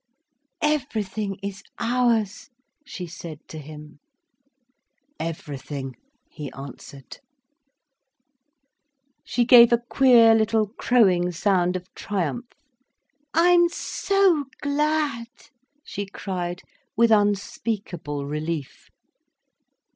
"Everything is ours," she said to him. "Everything," he answered. She gave a queer little crowing sound of triumph. "I'm so glad!" she cried, with unspeakable relief.